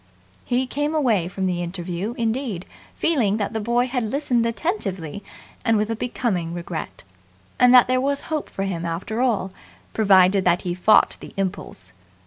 He came away from the interview, indeed, feeling that the boy had listened attentively and with a becoming regret, and that there was hope for him after all, provided that he fought the impulse.